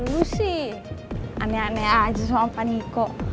lu sih aneh aneh aja sama pak niko